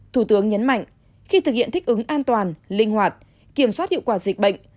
thủ tướng nhấn mạnh khi thực hiện thích ứng an toàn linh hoạt kiểm soát hiệu quả dịch bệnh